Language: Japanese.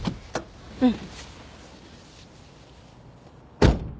うん。